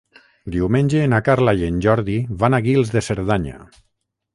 Diumenge na Carla i en Jordi van a Guils de Cerdanya.